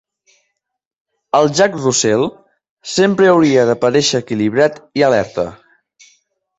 El Jack Russell sempre hauria d'aparèixer equilibrat i alerta.